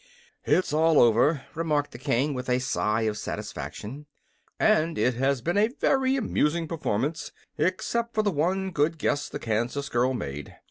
"It's all over," remarked the King, with a sigh of satisfaction; "and it has been a very amusing performance, except for the one good guess the Kansas girl made.